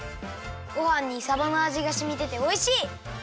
ごはんにさばのあじがしみてておいしい！